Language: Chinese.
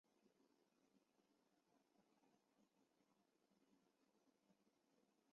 丛花山矾为山矾科山矾属下的一个种。